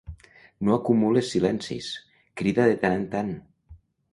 No acumules silencis, crida de tant en tant.